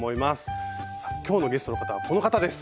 さあ今日のゲストの方はこの方です。